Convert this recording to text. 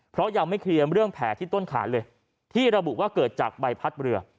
เพราะยังไม่เคลียร์เรื่องแผลที่ต้นขาเลยที่ระบุว่าเกิดจากใบพัดเรือ